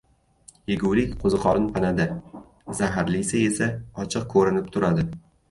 — Yegulik qo‘ziqorin panada, zaharlisi esa ochiq ko‘rinib turadi.